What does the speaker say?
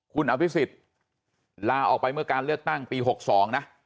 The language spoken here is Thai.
คุณอภิษฎลาออกไปเมื่อการเลือกตั้งปี๖๒นะ